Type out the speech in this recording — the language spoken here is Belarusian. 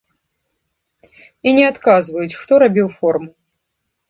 І не адказваюць, хто рабіў форму.